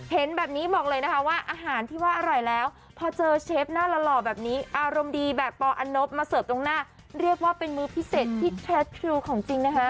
เห็นแบบนี้บอกเลยนะคะว่าอาหารที่ว่าอร่อยแล้วพอเจอเชฟหน้าหล่อแบบนี้อารมณ์ดีแบบปออันนบมาเสิร์ฟตรงหน้าเรียกว่าเป็นมือพิเศษที่แท้ทริวของจริงนะคะ